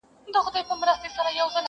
خزان له پېغلو پېزوانونو سره لوبي کوي٫